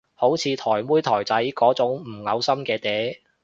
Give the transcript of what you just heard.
好似台妹台仔嗰種唔嘔心嘅嗲